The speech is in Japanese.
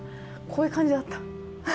こういう感じだった。